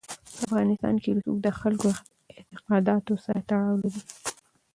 په افغانستان کې رسوب د خلکو اعتقاداتو سره تړاو لري.